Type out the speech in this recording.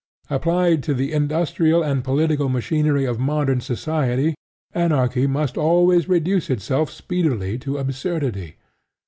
Applied to the industrial or political machinery of modern society, anarchy must always reduce itself speedily to absurdity.